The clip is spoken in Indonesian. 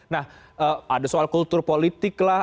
nah ada soal kultur politik lah